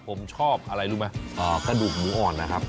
ผมชอบอะไรรู้ไหมกระดูกหมูอ่อนนะครับ